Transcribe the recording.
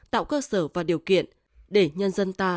tạo cơ sở và điều kiện để nhân dân ta